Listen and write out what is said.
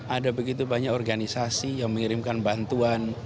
ada begitu banyak organisasi yang mengirimkan bantuan